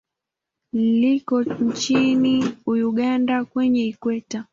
Liko nchini Uganda kwenye Ikweta.